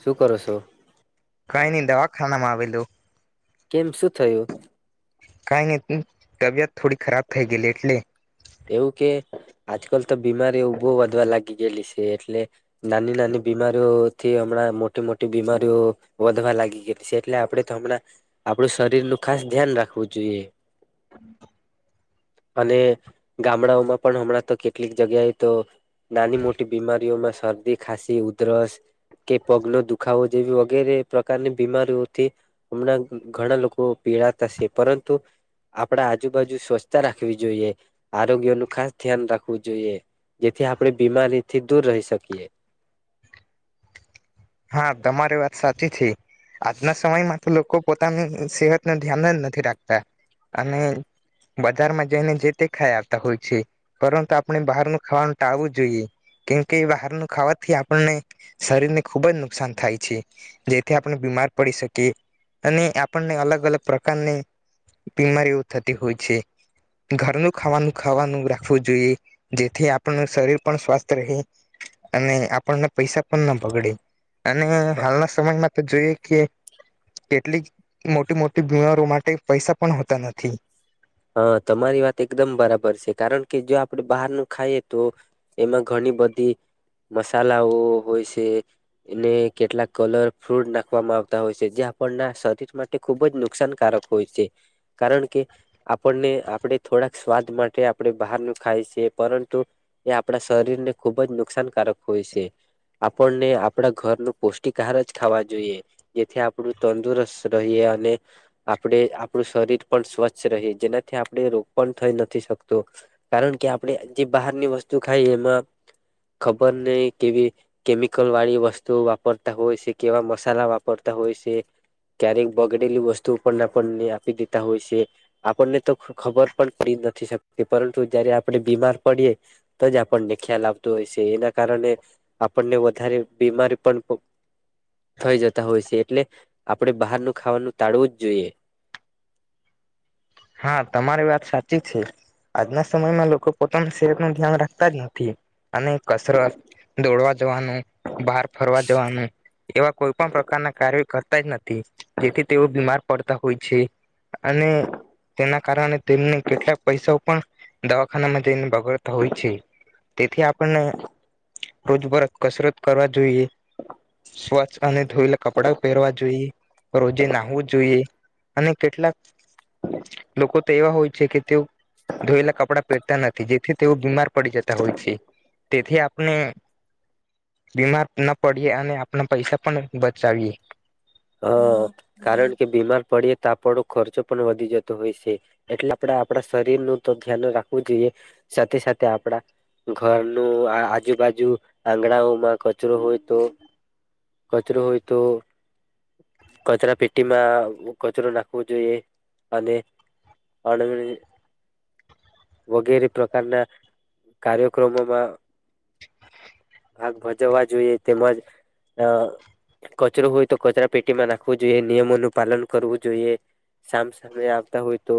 શું કરો સો? કઈ ની દવાખાના માં આવેલી. લો કેમ શું થયું? કઈ નઈ તબિયત થોડી ખરાબ થઈ ગયલી એટલે. એવું કે આજકાલ તો બીમારીઓ ઊભો વધવા લાગી ગયેલી સે એટલે નાની નાની બીમારીઓથી હમણાં મોટી મોટી બીમારીઓ વધવા લાગી ગયેલી સે એટલે આપડે તો હમણાં આપણું શરીર નું ખાસ ધ્યાન રાખવું જોઈએ. [inaudible] અને ગામડાઓમાં પણ હમણાં તો કેટલીક જગ્યાએ તો નાની મોટી બીમારીઓમાં શરદી ખાંસી ઉધરસ કે પગનો દુખાવો જેવી વગેરે પ્રકારની બીમારીઓથી હમણાં ઘણા લોકો પીડાતા શે પરંતુ આપણા આજુબાજુ સ્વચ્છતા રાખવી જોઈએ. આરોગ્ય નું ખાસ ધ્યાન રાખ વુ જોઈએ જેથી આપણે બીમારીથી દૂર રહી શકીએ. હા તમારી વાત સાચી છે આજના સમયમાં તો લોકો પોતાની સેહત ન ધ્યાન જ નથી રાખતા અને બજારમાં જઈને જે તે ખાઈ આવતા હોય છે પરંતુ આપણે બહારનું ખાવાનું ટાળવું જોઈએ કેમકે બહારનું ખાવાથી આપણને શરીરને ખૂબ જ નુકસાન થાય છે જેથી આપણે બીમાર પડી શકીએ અને આપણને અલગ અલગ પ્રકારની બીમારીઓ થતી હોય છે ઘરનું ખાવાનું ખાવાનું રાખવું જોઈએ જેથી આપણનું શરીર પણ સ્વસ્થ રહે અને આપણને પૈસા પણ ન બગડે. અને હાલના સમયમાં તો જોઈએ કે કેટલીક મોટી મોટી બીમારો માટે પૈસા પણ હોતા નથી. હા તમારી વાત એકદમ બરાબર સે કારણ કે જો આપણે બહારનું ખાઈએ તો એમાં ઘણી બધી મસાલાઓ હોય સે ને કેટલાક કલર ફ્રૂટ નાખવામાં આવતા હોય સે જે આપણના શરીર માટે ખૂબ જ નુકસાનકારક હોય છે. કારણ કે આપણને આપણે થોડાક સ્વાદ માટે આપણે બહારનું ખાય છે પરંતુ એ આપણા શરીરને ખુબ જ નુકસાનકારક હોય સે આપણને આપણા ઘર નું પૌષ્ટિક આહાર જ ખાવા જોઈએ જેથી આપણું તંદુરસ્ત રહીએ અને આપણે આપણું શરીર પણ સ્વસ્થ જેનાથી આપણે રોગ પણ થઈ નથી શકતો કારણ કે આપણે જે બહારની વસ્તુ ખાઈ એમાં ખબર નય કેવી કેમિકલ વાળી વસ્તુ વાપરતા હોય સે કેવા મસાલા વાપરતા હોય સે ક્યારેક બગડેલી વસ્તુ પણ આપણને આપી દેતા હોય સે. આપણને તો ખબર પણ પડી નથી શકતી પરંતુ જયારે આપણે બીમાર પડીએ તો જ આપણને ખ્યાલ આવતો હોય છે એના કારણે આપણને વધારે બીમારી પણ થઈ જતા હોય સે એટલે આપણે બહારનું ખાવાનું ટાળવું જ જોઈએ. હા તમારી વાત સાચી છે. આજના સમયમાં લોકો પોતાની સેહત નું ધ્યાન રાખતા જ નથી અને કસરત દોડવા જવાનું બહાર ફરવા જવાનું એવા કોઈ પણ પ્રકારના કાર્ય કર [unintelligible] નથી જેથી તેઓ બીમાર પડતા હોય છે અને તેના કારણે તેમને કેટલાક પૈસાઓ પણ દવાખાનામાં જઈને બગાડતા હોય છે. તેથી આપણને રોજબરોજ કસરત કરવા જોઈએ સ્વચ્છ અને ધોયેલા કપડા પહેરવા જોઈએ રોજે નાહવું જોઈએ અને કેટલાક લોકો તો એવા હોય છે કે તેઓ ધોઈલા કપડા પેરતા નથી જેથી તેઓ બીમાર પડી જતા હોય છે. તેથી આપને બીમાર ન પડીએ અને આપણા પૈસા પણ બચાવીએ હ કારણ કે બીમાર પડીએ તો આપણો ખર્ચો પણ વધી જતો હોય છે એટલે આપણે આપણા શરીરનું તો ધ્યાન રાખવું જોઈએ સાથે સાથે આપણા ઘરનું આજુબાજુ આંગણાઓમાં કચરો હોય તો કચરો હોય તો કચરા પેટીમાં કચરો નાખવો જોઈએ અને અ વગેરે પ્રકારના કાર્યક્રમોમાં ભાગ ભજવવા જોઈએ તેમજ કચરો હોય તો કચરા પેટીમાં નાખવું જોઈએ નિયમોનું પાલન કરવું જોઈએ સામ સામે આવતા હોય તો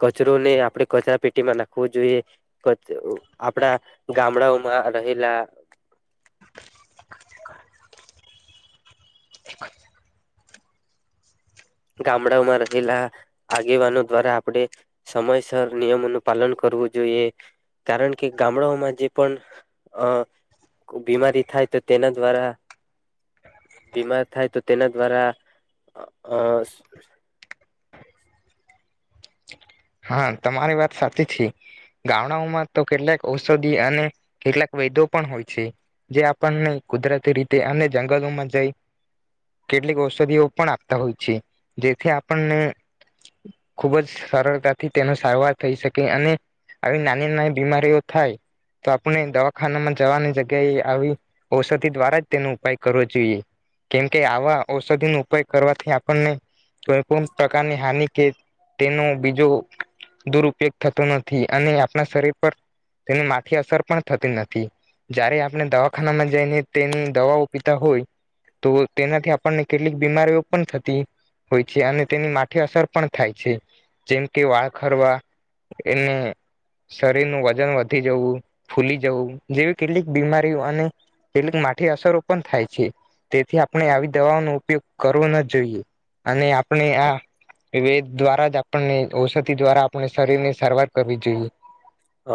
કચરોને આપણે કચરા પેટીમાં નાખવું જોઈએ આપડા ગામડાઓમાં રહેલા ગ્રામડાઓમાં રહેલા આગેવાનો દ્વારા આપણે સમયસર નિયમોનું પાલન કરવું જોઈએ, કારણ કે ગામડાઓમાં જે પણ અ બીમારી થાય તો તેના દ્વારા બીમાર થાય તો તેના દ્વારા અ [inaudible] હા તમારી વાત સાચી છે, ગામડાઓમાં તો કેટલાક ઔષધિ અને કેટલાક વૈદો પણ હોય છે જે આપણને કુદરતી રીતે અને જંગલોમાં જઈ કેટલીક ઔષધિઓ પણ આપતા હોય છે, જેથી આપણને ખુબ જ સરળતા થી તેનો સારવાર થઈ શકે અને આવી નાની નાની બીમારીઓ થાય તો આપણે દવાખાનામાં જવાની જગ્યાએ આવી ઔષધિ દ્વારા જ તેનો ઉપાય કરવો જોઈએ કેમકે આવા ઔષધિનો ઉપાય કરવાથી આપણને કોઈ પણ પ્રકારની હાનિ કે તેનો બીજો દુરપયોગ થતો નથી અને આપણા શરીર પર તેની માઠી અસર પણ થતી નથી, જ્યારે આપણે દવાખાનામાં જઈને તેની દવાઓ પીતા હોય તો તેનાથી આપણને કેટલીક બીમારીઓ પણ થતી હોય છે અને તેની માઠી અસર પણ થાય છે જેમ કે વાળ ખરવા, એને શરીરનું વજન વધી જવું, ફૂલી જવું, જેવી કેટલીક બીમારીઓ અને કેટલીક માઠી અસરો પણ થાય છે તેથી આપણે આવી દવાઓનો ઉપયોગ કરવો ન જોઈએ અને આપણે આ વેદ દ્વારા જ આપણને ઔષધિ દ્વારા આપણે શરીર ની સારવાર કરવી જોઈએ. હ,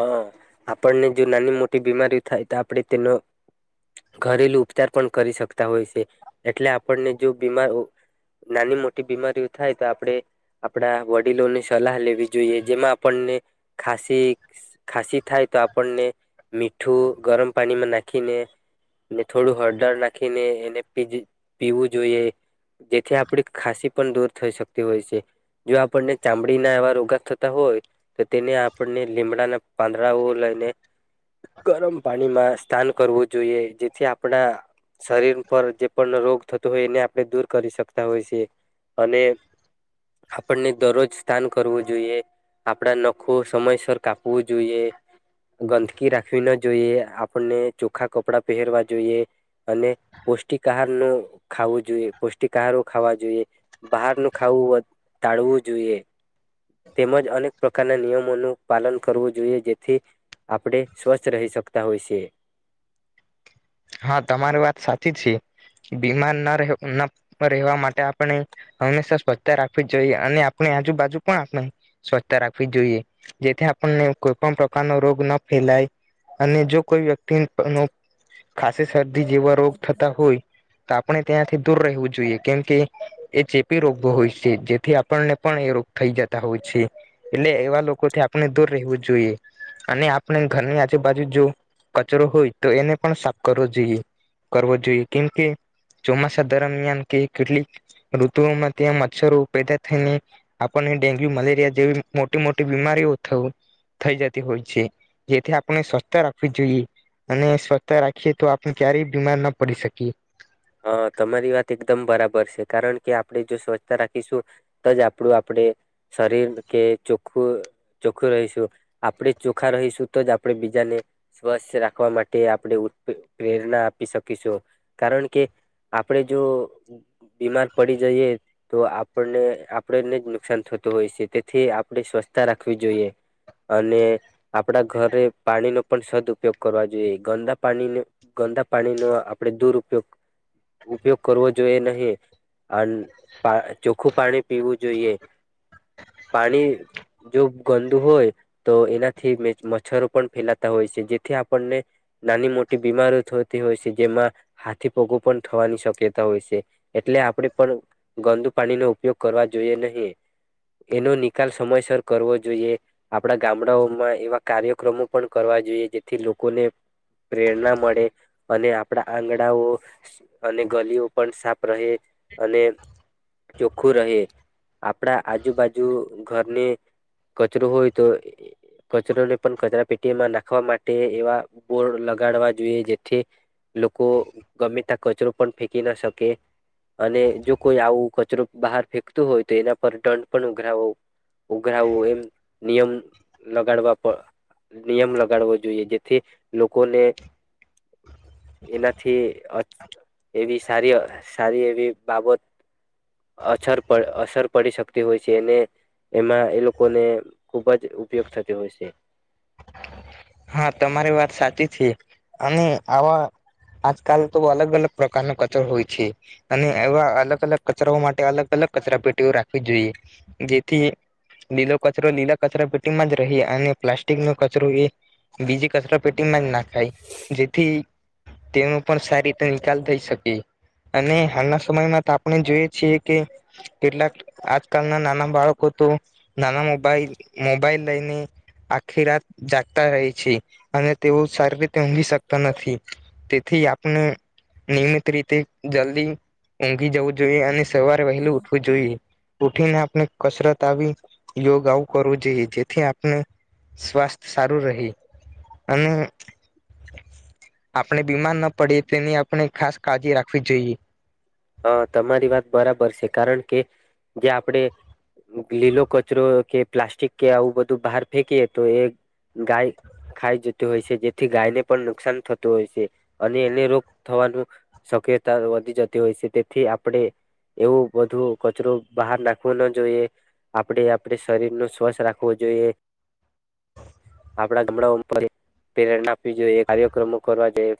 આપણને જો નાની મોટી બીમારીઓ થાય તો આપણે તેનો ઘરેલુ ઉપચાર પણ કરી શકતા હોય છે એટલે આપણને જો બીમાર નાની મોટી બીમારીઓ થાય તો આપણે આપણા વડીલોની સલાહ લેવી જોઈએ જેમાં આપણને ખાાસી ખાસી થાય તો આપણને મીઠું ગરમ પાણીમાં નાખીને ને થોડું હળદર નાખીને એને પી પીવું જોઈએ જેથી આપડી ખાંસી પણ દૂર થઈ શકતી હોય છે, જો આપણને ચામડીના એવા રોગા થતા હોય તો તેને આપણને લીમડા પાંદડાઓ લઈને ગરમ પાણીમાં સ્નાન કરવું જોઈએ જેથી આપણા શરીર પર જે પણ રોગ થતો હોય એને આપણે દૂર કરી શકતા હોય છે, અને આપણને દરરોજ સ્નાન કરવું જોઈએ, આપણા નખો સમયસર કાપવું જોઈએ, ગંદકી રાખવી ન જોઈએ, આપર્ણૅ ચોખા કપડાં પહેરવા જોઈએ, અને પૌષ્ટિક આહાર નું ખાવું જોઈએ પૌષ્ટિક આહારો ખાવા જોઈએ, બહારનું ખાવું ટાળવું જોઈએ, તેમજ અનેક પ્રકારના નિયમોનું પાલન કરવું જોઈએ જેથી આપણે સ્વસ્થ રહી શકતા હોઈ છે. હા તમારી વાત સાચી છે બીમાર ના રહે ન રહેવા માટે આપણે હંમેશા સ્વચ્છ રાખવી જોઈએ, અને આપણે આજુબાજુ પણ આપણે સ્વચ્છતા રાખવી જોઈએ જેથી આપણને કોઈ પણ પ્રકારનો રોગ ન ફેલાય અને જો કોઈ વ્યક્તિ નો ખાસી સર ધી જેવા રોગ થતા હોય તો આપણે ત્યાંથી દૂર રહેવું જોઈએ કેમ કે એ ચેપી રોગો હોય છે જેથી આપણને પણ એ રોગ થઈ જતા હોય છે એટલે એવા લોકોથી આપણે દૂર રહેવું જોઈએ, અને આપણે ઘરની આજુબાજુ જો કચરો હોય તો એને પણ સાફ કરવો જોઈએ કરવો જોઈએ કેમકે ચોમાસા દરમિયાન કે કેટલીક ઋતુઓમાં ત્યાં મચ્છરો પેદા થઈને આપણને ડેન્ગ્યુ, મલેરિયા જેવી મોટી મોટી બીમારીઓ થવું થઈ જતી હોય છે, જેથી આપણે સ્વચતા રાખવી જોઈએ અને સ્વચતા રાખ એ તો આપણે ક્યારેય બીમાર ન પડી શકીએ. હા તમારી વાત એકદમ બરાબર છે, કારણ કે આપણે જો સ્વચ્છતા રાખીશું તો જ આપડું આપણે શરીર કે ચોખ્ખું ચોખ્ખું રહીશું આપણે ચોખ્ખા રહીશું તો જ આપણે બીજાને સ્વસ્થ રાખવા માટે આપણે ઉત પ્રેરણા આપી શકીશું, કારણ કે આપણે જો બીમાર પડી જઈએ તો આપને આપણેને જ નુકસાન થતું હોય છે તેથી આપણે સ્વસ્થતા રાખવી જોઈએ, અને આપણા ઘરે પાણીનો પણ સદ ઉપયોગ કરવા જોઈએ ગંદા પાણી ગંદા પાણીનો આપણે દુરપયોગ ઉપયોગ કરવો જોઈએ નહી, અન ચોખ્ખું પાણી પીવું જોઈએ, પાણી જો ગંદુ હોય તો એનાથી મેં મચ્છરો પણ ફેલાતા હોય છે જેથી આપણને નાની મોટી બીમારીઓ થતી હોય છે જેમાં હાથી પગો થવાની શક્યતા હોય છે એટલે આપણે પણ ગંદુ પાણીનો ઉપયોગ કરવા જોઈએ નહી એનો નિકાલ સમયસર કરવો જોઈએ આપડા ગામડાઓમાં એવા કાર્યક્રમો પણ કરવા જોઈએ જેથી લોકોને પ્રેરણા મળે અને આપણા આંગણાઓ અને ગલીઓ પણ સાફ રહે અને ચોખ્ખું રહે, આપડા આજુબાજુ ઘરને કચરો હોય તો કચોરોને પણ કચરા પેટીમાં નાખવા માટે એવા બોર્ડ લગાડવા જોઈએ જેથી લોકો ગમે તા કચરો પણ ફેંકી ના શકે, અને જો કોઈ આવું કચરો બહાર ફેંકતું હોય તો એના પર દંડ પણ ઉઘરાવો ઉઘરાવવો એમ નિયમ લગાડવા નિયમ લગાડવો જોઈએ જેથી લોકોને એનાથી અ એવી સારી સારી એવી બાબત અછર અસર પડી શકતી હોય છે ને એમાં એ લોકોને ખૂબ જ ઉપયોગ થતી હોય છે. હા તમારી વાત સાચી છે અને આવા આજકાલ તો અલગ અલગ પ્રકારનો કચરો હોય, છે અને એવા અલગ અલગ કચરા માટે અલગ અલગ કચરા પેટીઓ રાખવી જોઈએ જેથી લીલો કચરો લીલા કચરા પેટીમાં જ રહી, અને પ્લાસ્ટિક નો કચરો એ બીજી કચરા પેટીમાં જ નાખાય, જેથી તેનો પણ સારી રીતે નિકાલ થઈ શકે, અને હાલના સમયમાં તો આપણે જોઈ જ છે કે કેટલાક આજકાલના નાના બાળકો તો નાના મોબાઈલ મોબાઈલ લઈને આખી રાત જાગતા રહે છે, અને તેઓ સારી રીતે ઊંઘી શકતા નથી તેથી આપણે નિયમિત રીતે જલ્દી ઊંધી જવું જોઈએ અને સવારે વહેલી ઉઠવું જોઈએ, ઉઠીને આપણે કસરત આવી, યોગ આવું કરવું જોઈએ જેથી આપણે સ્વાસ્થ્ય સારું રહે. અને આપણે બીમાર ના પડે તેની આપણે ખાસ કાળજી રાખવી જોઈએ. હ તમારી વાત બરાબર છે કારણ કે જે આપણે લીલો કચરો કે પ્લાસ્ટિક કે આવું બધું બહાર ફેંકીએ તો એ ગાય ખાઈ જતી હોય છે જેથી ગાયને પણ નુકસાન થતું હોય છે અને એને રોગ થવાનું શક્યતા વધી જતી હોય છે. તેથી આપણે એવું બધું કચરો બહાર નાખવો ન જોઈએ, આપણે આપડ શરીર નું સ્વસ્થ રાખવું જોઈએ, આપણા ગામડા ઉપ પ્રેરણા આપવી જોઈએ, કાર્યક્રમો કરવા જોઈએ.